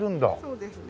そうですね